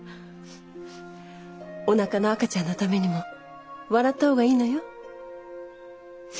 おなかの赤ちゃんのためにも笑った方がいいのよ。